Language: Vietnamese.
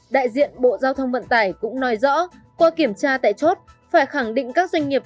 đại diện bộ giao thông vận tải cũng nói rõ qua kiểm tra tại chốt phải khẳng định các doanh nghiệp